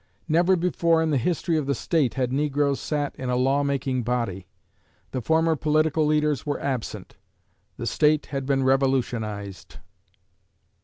Never before in the history of the State had negroes sat in a law making body. The former political leaders were absent. The State had been revolutionized.